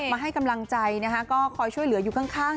มาให้กำลังใจนะคะก็คอยช่วยเหลืออยู่ข้าง